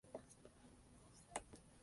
Pʷ Es 'pw'.